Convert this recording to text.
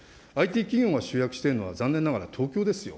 ＩＴ企業が集約しているのは残念ながら東京ですよ。